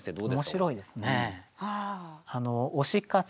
面白いですね。